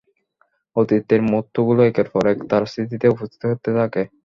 অতীতের মুহুর্তগুলো একের পর এক তার স্মৃতিতে উপস্থিত হতে থাকে।